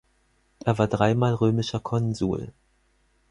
Er war dreimal römischer Konsul.